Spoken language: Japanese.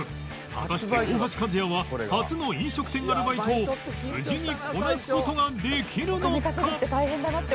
果たして大橋和也は初の飲食店アルバイトを無事にこなす事ができるのか！？